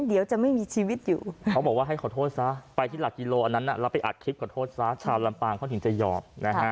เดี๋ยวคุณจะไม่มีชีวิตอยู่ครับ